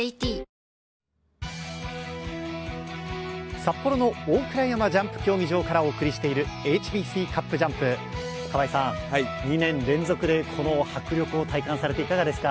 札幌の大倉山ジャンプ競技場からお送りしているＨＢＣカップジャンプ、河合さん、２年連続でこの迫力を体感されていかがですか？